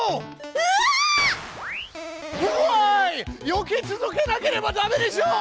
よけ続けなければダメでしょう！